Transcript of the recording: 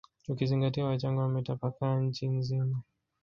Ukizingatia wachaga wametapakaa nchi nzima